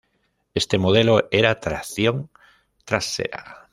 Este modelo era tracción trasera.